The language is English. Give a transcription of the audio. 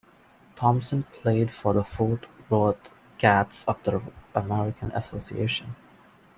Thompson played for the Fort Worth Cats of the American Association.